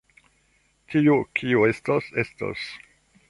Tio, kio estos, estos.